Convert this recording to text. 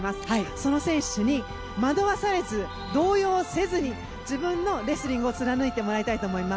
その選手に惑わされず動揺せずに自分のレスリングを貫いてもらいたいと思います。